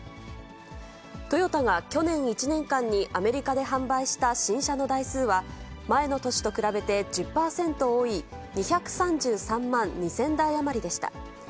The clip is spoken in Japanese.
トヨタが去年１年間にアメリカで販売した新車の台数は、前の年と比べて１０％多い、２３３万２０００台余りでした。